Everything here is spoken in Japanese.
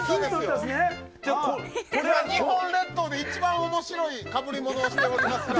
日本列島で一番面白い被り物をしておりますから。